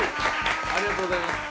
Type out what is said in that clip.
ありがとうございます。